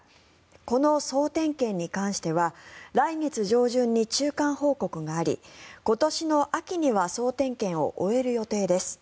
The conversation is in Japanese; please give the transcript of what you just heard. この総点検に関しては来月上旬に中間報告があり今年の秋には総点検を終える予定です。